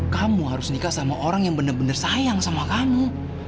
kamu harus nikah sama orang yang benar benar sayang sama kamu